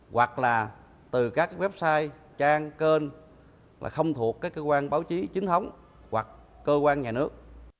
hoặc là từ các website trang kênh là không thuộc các cơ quan báo chí chính thống hoặc cơ quan nhà nước